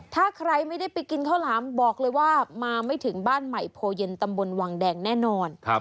ถ้าใครไม่ได้ไปกินข้าวหลามบอกเลยว่ามาไม่ถึงบ้านใหม่โพเย็นตำบลวังแดงแน่นอน